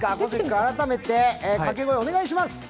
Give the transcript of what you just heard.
改めて掛け声をお願いします。